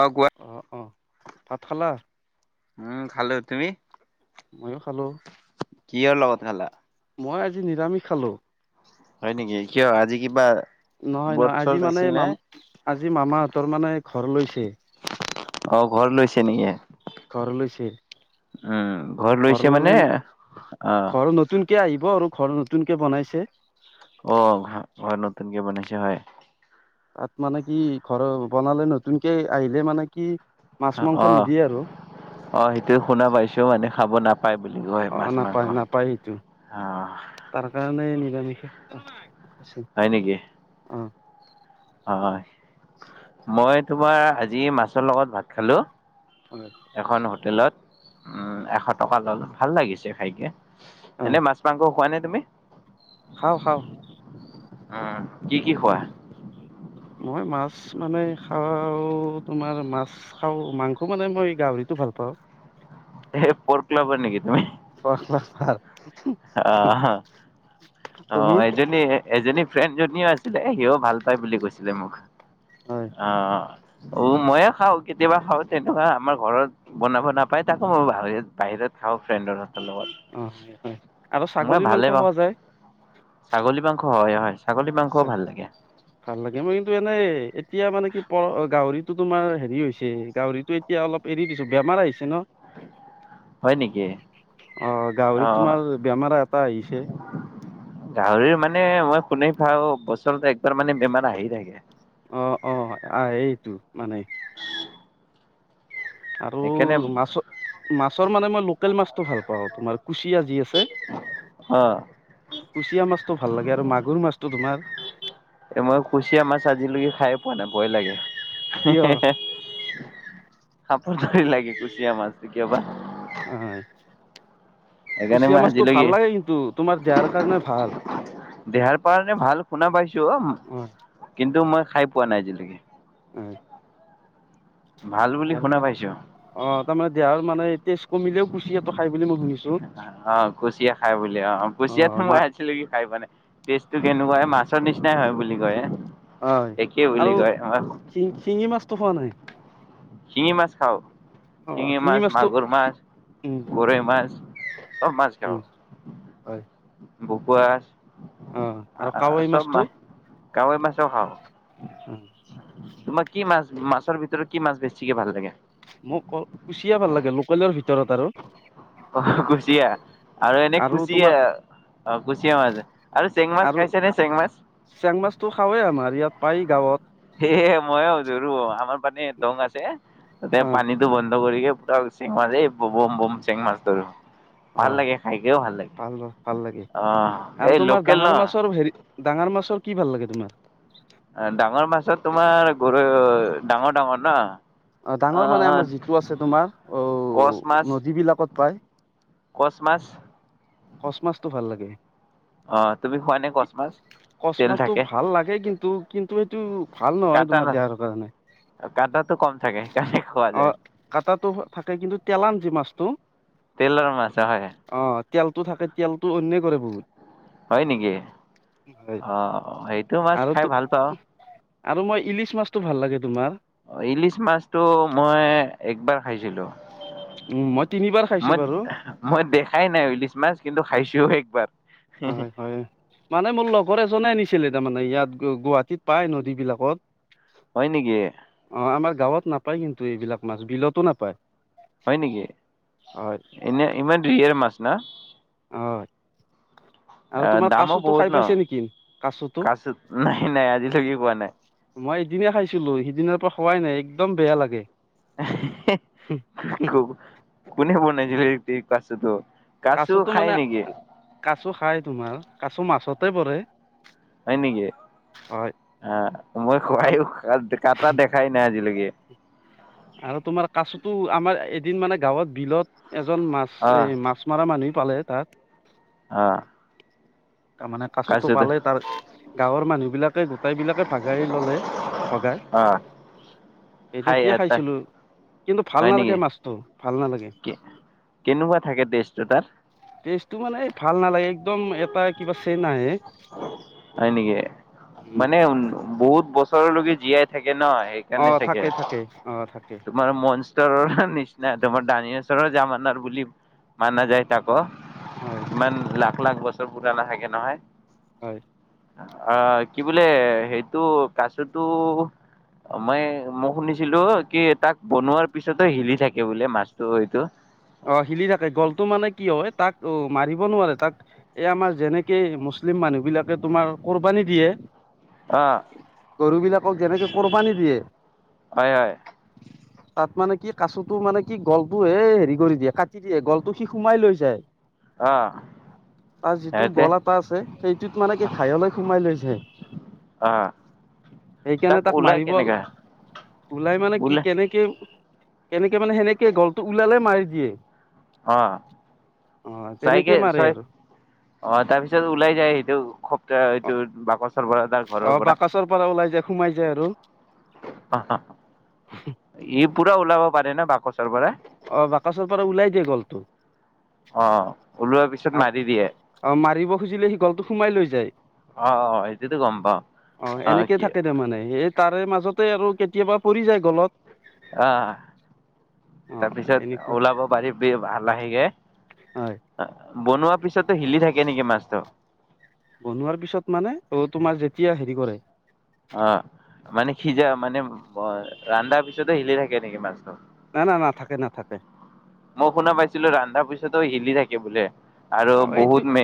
অ কোৱা অঁ অঁ ভাত খালা? উম খালো তুমি। ময়ো খালো কিহৰ লগত খালা মই আজি নিৰামিষ খালোঁ। হয় নেকি কিয় আজি কিবা। নহয় বৰ্ড নহয় আজি চৰ্ড মানে আছিল নে মাম আজি মামাহঁতৰ মানে ঘৰ লৈছে। অ ঘৰ লৈছে নেকি? ঘৰ লৈছে উম ঘৰ লৈছে ললে মানে অ ঘৰ নতুনকে আহিব আৰু ঘৰ নতুনকে বনাইছে। অ ঘ ঘৰ নতুনকে বনাইছে হয়। তাত মানে কি ঘৰ বনালে নতুনকে আহিলে মানে কি মাছ মাংস অঁ নিদিয়ে আৰু অঁ সেইটোয়ে শুনা পাইছো। মানে খাব নাপাই। অঁ নাপায় নাপায় এইটো অ তাৰ কাৰণে। নিৰামিষে অ আছে নেকি অঁ হয় মই। তোমাৰ আজি মাছৰ লগত ভাত খালো। হয় এখন হোটেলত এশ টকা ল'লোঁ।। ভাল লাগিছে খাইকে। হয় এনে মাছ- মাংস খোৱা নাই? তুমি? খাওঁ খাওঁ। উম কি কি খোৱা? মই মাছ মানে খাওঁ, তোমাৰ মাছ খাও মাংস মানে মই গাহৰিতটো ভাল পাওঁ। এই পৰ ক্লাব নেকি তুমি। পৰ ক্লাব কাৰ। অঁ তুমি অঁ এইজন। এজনী ফ্ৰেণ্ডজনীও আছিলে সি ভাল পায় বুলি কৈছিলে মোক। হয় আহঁ। অঁ ময়ে খাওঁ কেতিয়াবা খাওঁ তেনেকুৱা আমাৰ ঘৰত বনাব নাপায় তাকো মই বাহিৰত খাওঁ ফ্ৰেণ্ডৰ লগত অ হয় হয় আৰু মই ছাগলী মাংস ভালেই পাওঁ খোৱা যায় ছাগলী মাংস। হয় হয়। ছাগলী মাংসও ভাল লাগে ভাল লাগে মই কিন্তু এনেই। এতিয়া মানে কি পক গাহৰিত তো তোমাৰ হেৰি হৈছে গাহৰিতটো এতিয়া অলপ এৰি দিছো বেমাৰ আহিছে অ হয় নেকি? অ গাহৰিত অ' তোমাৰ বেমাৰ এটা আহিছে গাহৰি মানে মই কোনে ভাওঁ বছৰতে একবাৰ মানে বেমাৰ আহি থাকে অ অ আহ এইটো মানে আৰু সেইকাৰণে মাছ মাছৰ মানে মই লোকেল মাছতটো ভাল পাওঁ তোমাৰ কুচিয়া যি আছে অ' কুচিয়া মাছটো ভাল লাগে আৰু মাগুৰ মাছটো তোমাৰ এ মই কুচিয়া মাছ আজিলৈকে খাই পোৱা নাই ভয় লাগে কিয় [unintelligible] সাপটো ধৰি লাগে কুচিয়া মাছ কেতিয়াবা হয় সেইকাৰণে কুচিয়া মই মাছটো ভাল আাজিলৈকে লাগে কিন্তু তোমাৰ দেহাৰ কাৰণে ভাল দেহাৰ পৰাণে ভাল শুনা পাইছো অ হয় কিন্তু মই খাই পোৱা নাই জিন দেগি ভাল বুলি শুনা পাইছো দেহতাৰমানে দেহাৰ মানে তেজ কমিলেও কুচি এটো খাই বুলি মই শুনিছো অ কুচিয়া খাই বুলি অ অ কুচিয়াতো মই আছিলো কি খাই পোৱা নাই টেষ্টটো কেনেকুৱাই মাছ মাছৰ নিচিনাই হয় বুলি কয় হয় একেই বুলি আৰু কয় শিঙি মাছটো খোৱা নাই শিঙি মাছ খাওঁ অ', শিঙি মাছ মাছটো মাগুৰ মাছ উম, গৰৈ মাছ সব মাছ খাাব উম, হয়। পুৱাস অ', আৰু আহ কাৱৈ চব মাছটো মাছ কাৱৈ মাছেও খাওঁ তোমাৰ কি মাছ মাছৰ ভিতৰত কি মাছ বেছি বেছি কে ভাল লাগে সকলো ভিতৰত আৰু অ কুচিয়া আৰু এনে কুচিয়া অ কুচিয়া মাছ আৰু চেং মাছ খাইছে নে চেং মাছ চেং মাছটো খাওঁৱেই আমাৰ ইয়াত পায় গাঁৱত এ মই ধৰো আমাৰ পানে দং আছে তি অ', পানীটো বন কৰিৰিকে প চেং মছ বম বম চেং মাছ ধৰ অ ভাল ভাল লাগে অ এই আৰু তোমাৰ লোকেল ডাঙৰ ন মাছৰ হেৰি ডাঙৰ মাছৰ কি ভাল লাগে তোমাৰ ডাঙৰ মাছত তোমাৰ গৰৈ ডাঙৰ ডাঙৰ ন অ ডাঙৰ মানে আমাৰ যিটো আছে তোমাৰ কচ মাছ আহ নদী বিলাকত পাই কচ মাছ কচ মাছটো ভাল লাগে অ তুমি খোৱা নে কচ মাছ কচ তেল মাছটো থাকে ভাল লাগে কিন্তু কিন্তু সেইটো ভাল নহয় কাটা তোমাৰ ন দেহৰ কাৰণে কাটাটো কম থাকে সেইকাৰণে খোৱা আহ যায় কাটাটো থাকে কিন্তু তেলান যি মাছটো তেলৰ মাছ হয় অহ তেলতটো থাকে তেলতটো অন্যয় কৰে বহুত হয় নেকি, হয় অ সেইটো মাছ আৰু খাই তো ভাল পাওঁ। আৰু মই ইলিছ মাছটো ভাল লাগে তোমাৰ। ইলিছ মাছতটো মই একবাৰ খাইছিলো। উম মই তিনিবাৰ খাইছো মই বাৰু ম, ই দেখাই নাই ইলিচ মাছ। কিন্তু খাইছো একবাৰ। হয় হয়, মানে মোৰ লগৰ এজনে আনিছ ছিলে তাৰ মানে ইয়াত গুৱাহাটীত পাই নদী বিলাকত হয় নেকি? অ আমাৰ গাঁৱত নাপায় কিন্তু এইবিলাক মাছ বিলতো নাপায়। হয় নেকি, হয় এনে ইমান ৰিয়ৰ মাছ না। অ। অ দামো বহুত ন, নেকি কাচুটো কাছোত নাই নাই আজিলৈকে খোৱা নাই। সিদিনা খাইছিলো, সিদিনাৰ পৰা খোৱাই নাই একদম বেয়া লাগে। হে, কো কোনে বনাইছিল ঠিক আছে তো। কাচুতো মানে কাচু খাই তোমাৰ। কাছু মাছতে পৰে। হয় নেকি, হয় আহ মই খুৱাই তাম কাটা দেখাই নাই আজিলৈ কে। আৰু তোমাৰ কাচোতো আমাৰ এদিন মানে গাঁৱত বিলত এজন মাছ, এ অ' মাছ মাৰা মানি পালে তাত আহ। ত মানে কাচোতো পালেই তাৰ, গাঁৱৰ মানুহ বিলাক ত গোটাই বিলাকে ভাগাই ল'লে ভগাই অ' খাই তেতিয়া এটা খাইছিলো। কিন্তু ভাল নালাগে মাছটো। ভাল নালাগে কে কেনেকুৱা থাকে টেষ্টটোৰ তাৰ? টেষ্টটো মানে ভাল নালাগে একদম এটা কিবা চেন আহে। হয় নেকি, উম মানে বহুত বছৰলৈকে জীয়াই থাক ন অ সেইকাৰণে চাগে, থাকে থাকে অ থাকে তোমাৰ মনষ্টাৰৰ নিচিনা তোমাৰ দানিয়াচৰৰ যামানা নাৰ বুলি মানা যায় তা ক। হয় মান লাক। এক লাখ বছৰ পুৰাণা থাকে নহয়। হয়। অ, কি বোলে সেইটো কাচটো মই মই শুনিছিলো কি তাক বনোৱাৰ পিছতো হিলি থাকে বোলে মাছটো সেইটো। অ হিলি থাকে গ'লটো মানে কি হয় তাক মাৰিব নোৱাৰে, তাক যেনেকে মুছলিম মানুহ বিলাকে তোমাৰ কৰিব নিদিয়ে। অ [unintelligible] গৰু বিলাকক যেনেকে কৰবা নিদিয়ে। হয় হয়। তাত মানে কি কাচতো মানে কি গলটো এ হেৰি। কৰি দিয়ে কাটি দিয়ে, গলটো সি সোমাই লৈ যায় অ তাৰ যিটো সিহঁতে গল এটা আছে সেইটোত মানে কি ঘাইলৈ সোমাই লৈ যায়। অ সেইকাৰণে তাক ওলাই মাৰিব কেনেকা ওলাই মানে কি কেনেকে। কেনেকে মানে সেনেকে গলটো লালে মিৰি। দিয়ে। অ, অ চাইকে তেনেকে মাৰে চয় আৰু অ তাৰপিছত ওলাই যায় সেইটো খপ্তাহ অ এইটো বাকচ অ, বাকচৰ পৰা ওলাই যায়। সোমাই যায় আৰু। [unintelligible] পূৰা ওলাব পাৰে ন বাকচ। অ, বাকচৰ পৰা ওলাই দিয়ে গ'লটো। অ ওলোৱাৰ পিছত অ, মাৰি দিয়ে মাৰিব খুজিলে সিঘলটো সোমাই লৈ যায়। অ অ সেইটোতো গম পাও অ এনেকে থাকে তাৰমানে সে তাৰ মাজ। মাজতে আৰু কেতিয়াবা পৰি যায় গলত। আহ, অ তাৰপিছত এনেকুৱা ওলাব পাৰিব ভাল লাহেগে হয় অ। বনোৱা পিছতো হিলি থাকে নেকি মাছটো। বনোৱাৰ পিছত মানে, অ তোমাৰ যেতিয়া হেৰি কৰে। অ, মানে সিজা মানে ৰন্ধাৰ পিছতে হিলি থাকে নেকি মাছ। না না নাথাকে নাথাকে মই শুনা পাইছিলো, ৰন্ধাৰ পিছত। হিলি থাকে বোলে। আৰু অ, এইটো বহুত মে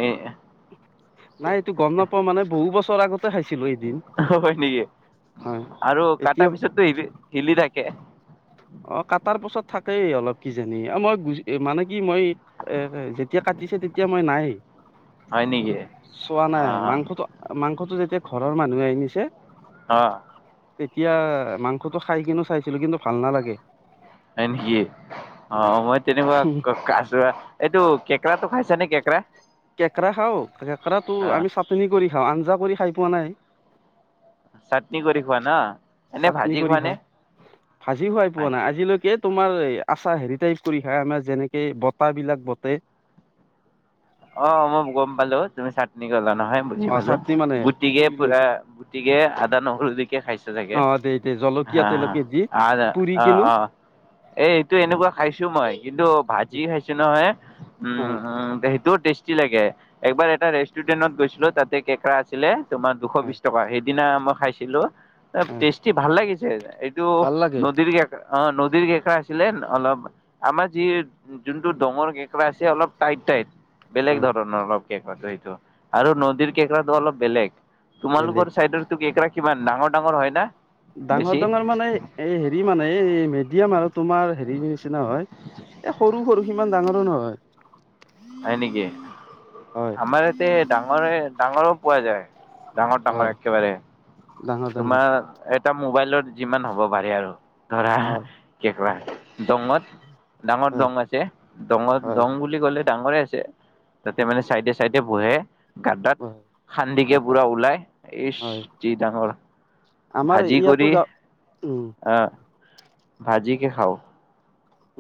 নাই এইটো গম নাপোও মানে বহু। বছৰ আগত। হয় নেকি? হয় আৰু এতিয়া কটাৰ পিছতো হিলি হিলি থাকে। অ, কাটাৰ পাছত থাকেই অলপ কিজানি মই মানে কি মই এ যেতিয়া কাটিছে তেতিয়া মই নাই। হয় নেকি? চোৱা অ নাই মাংসটো মাংসটো যেতিয়া। গোটেই ঘৰৰ মানুহে আনিছে। আহ। তেতিয়া, মাংসটো খাই কিনো চাইছিলো কিন্তু ভাল নালাগে। হয় নেকি অ মই তেনেকুৱা আছো এইটো। কেঁকেৰা তো খাইছা নে কেকেৰা? কেঁকৰা খাও, কেঁকৰা টো আমি চাটনি কৰি খাওঁ, আঞ্জা কৰি খাই পোৱা নাই। চাটনি কৰি খোৱা ন, এনে চাটনি ভাজি কৰি খোৱা খাওঁ নে? ভাজি খুৱাই পোৱা নাই আজিলৈকে তোমাৰ আচা হেৰিটাই কৰি খায় আমাৰ যেনেকে বতা বিলাক বটে অ, মই গম পালো তুমি চাটনি গলা। নহয় বুজি অ পালো, চাটনি মানে গুটিকে পুৰি লৈ পুৰা, গুটিকে আদা, নহৰু দিকে খাইছে চাগে, অ দে দে হ জলকীয়া তেলকীয়া দি আ পুৰি অ কিনো অ এইটো এনেকুৱা খাইছো মই। কিন্তু ভাজি খাইছো নহয়, উম হয় উম। টেষ্টি লাগে, এবাৰ এটা ৰেষ্টুৰেণ্টত গৈছিলো তাতে কেঁকৰা আছিলে তোমাৰ দুশ হয় বিশ টকা সেই দিনা মই খাইছিলো। হয় টেষ্টি ভাল লাগিছ [unintelligible] এইটো ভাল লাগে নদীৰ কেকৰা অ নদী নদীৰ কেকৰা আছিলে অলপ, আমাৰ যি যোনটো দঙৰ কেকৰা আছে অলপ টাইট টাইট। বেলেগ হয় ধৰণৰ অলপ কেঁকৰাটো সেইটো, আৰু নদীৰ কেঁকৰাটো অলপ বেলেগ। বেলেগ তোমালোকৰ চাইডৰ তো কেঁকোৰা কিমান ডাঙৰ ডাঙৰ হয় না? ডাঙৰ বেছি ডাঙৰ মানে এই হেৰি মানে এই মেডিয়াম আৰু তোমাৰ হেৰি নিচিনা হয়, এই সৰু সৰু শিঙি ইমান ডাঙৰো নহয়। হয় নেকি, হয় আমাৰ ইয়াতে ডাঙৰে ডাঙৰো পোৱা যায়। ডাঙৰ ডাঙৰ হয় একেবাৰে, ডাঙৰ ডাঙৰ তোমাৰ এটা মোবাইলত যিমান হ'ব পাৰে আৰু। ধৰা হয় কেকুৱা দমত ডাঙৰ হয় দং আছে, দঙৰ হয় দং বুলি ক'লে ডাঙৰে আছে তাতে মানে চাইডে চাইডে বহে। গাদাত, খান্দিকে হয় পুৰা ওলাই, এই হয় যি ডাঙৰ আমাৰ ভাজি ইয়াতো কৰি, গা উম আহ। ভাজি কে খাও।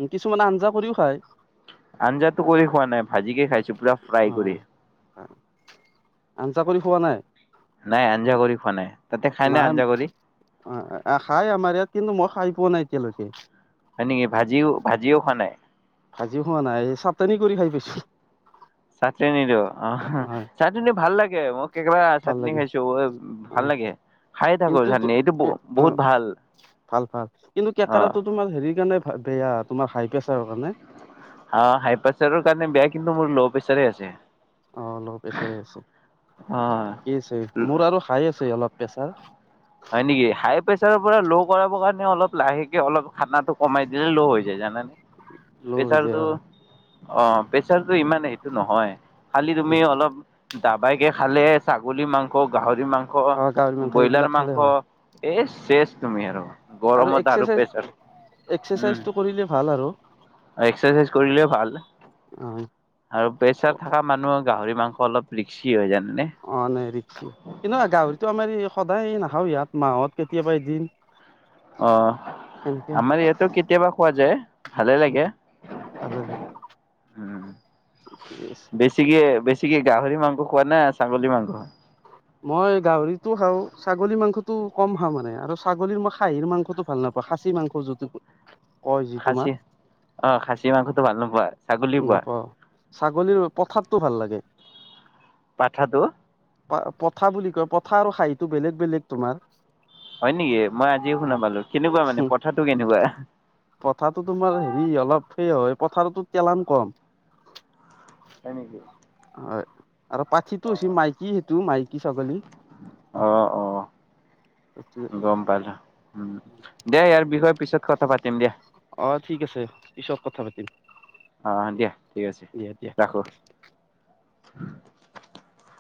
উম, কিছুমানে আঞ্জা কৰিও খায়। আঞ্জাতো কৰি খোৱা নাই। ভাজিকে খাইছো পুৰা ফ্ৰাই কৰি। হয়। আঞ্জা কৰি খোৱা নাই? নাই আঞ্জা কৰি খোৱা নাই। তাতে খাই নাই আঞ্জা কৰি অ খাই আমাৰ ইয়াত কিন্তু মই খাই পোৱা নাই এতিয়ালৈকে। হয় নেকি ভাজিও ভাজিও খোৱা নাই। ভাজিও খোৱা নাই চাটনি কৰি খাই পাইছো চাটনীটো অ হয় চাটন ভাল লাগে মোক কেবা ভাল চাটনি লাগে খাইছো অ ভাল লাগে খায়ে থাকো কিন্তু চাটনি এইটো ব অ বহুত ভাল ভাল ভাল কিন্তু অ কেকাৰৰাটো তোমাৰ হেৰিৰ কাৰণে বেয়া তোমাৰ হাই প্ৰেছাৰ কাৰণে। অ হাই প্ৰেচাৰৰ কাৰণে বেয়া কিন্তু মোৰ ল' প্ৰেচাৰ আছে। অ ল প্ৰেছাৰে আছে। অ আছে মোৰ আৰু হাই আছে অলপ। প্ৰেছাৰ হয় নেকি হাই প্ৰেছাৰৰ পৰা ল' কৰাব কাৰণে অলপ লাহেকে অলপ খানাটো কমাই দিলে ল' হৈ যায় জানানে? ল' হৈ যায় প্ৰেচাৰতটো অ অ প্ৰেচাৰতটো ইমানেই এইটো নহয়। খালি তুমি উম অলপ দাবাইকে খালে। ছাগলী মাংস গাহৰি মাংস অ গাহৰি মাংস ব্ৰইলাৰ এইবিলাক খালে মাংস হয় এ চেছ তুমি আৰু। গৰমত আৰু প্ৰেছাৰ। উম এক্সাৰচাইজটো কৰিলে ভাল আৰু এক্সাৰচাইজ কৰিলে ভাল। আৰু অ প্ৰেছাৰ থকা মানুহৰ গাহৰি মাংস অলপ লিক্সি হৈ যা অ নাই ৰিক্স কিন্তু গাহৰিতটো আমাৰ এই সদায় নাখাও ইয়াত মাহত কেতিয়াবা এদিন অ সেনেকে খাওঁ আমাৰ ইয়াতো কেতিয়াবা খোৱা যায়। ভালে লাগে, ভালে লাগে উ বেছিকে বেছিকে গাহৰি মাংস খোৱা না ছাগলী মাংস? মই গাহৰিতটো খাওঁ, ছাগলী মাংসটো কম খাওঁ মানে, আৰু ছাগলীৰ মই খাহীৰ মাংসটো ভাল নাপাওঁ খাচী মাংস জোনটো কয়। যি তোমাৰ খাচী অ খাচী মাংসটো ভাল নোপোৱা? ছাগলী পোৱা? নাপাওঁ ছাগলীৰ পথাৰতটো ভাল লাগে। পাঠাটো? পথা বুলি কয় পথা আৰু খাহিটো বেলেগ বেলেগ তোমাৰ। হয় নেকি? মই আজি শুনা পালো কেনেকুৱা মানে পথাটো কেনেকুৱা? পঠাটো তোমাৰ হেৰি অলপ সেই হয় পথাৰতো তেলান কম। হয় নেকি? হয়। আৰু পাঠিটো অ হৈছে মাইকী সেইটো মাইকী ছাগলী আহ অ গম পালো, উম দে ইয়াৰ বিষয় পিছত কথা পাতিম দিয়া। অঁ ঠিক আছে পিছত কথা পাতিম। অঁ দিয়া ঠিক আছে দিয়া ৰাখো। [unintelligible]